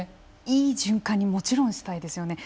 いい循環にもちろんしたいですよね。